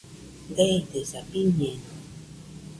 Deidesaa, biñeno